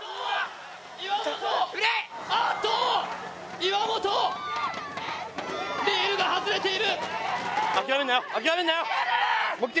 岩本、リールが外れている。